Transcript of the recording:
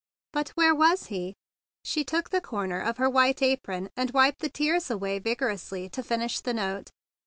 But where was he? She took the corner of her white apron, and wiped the tears away vigorously to finish the note.